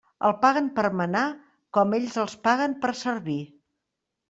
El paguen per manar, com a ells els paguen per servir.